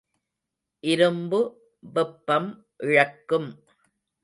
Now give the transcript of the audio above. இரும்பு வெப்பம் இழக்கும்.